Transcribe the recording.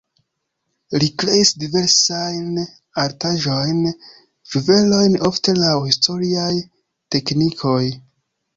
Li kreis diversajn artaĵojn, juvelojn ofte laŭ historiaj teknikoj.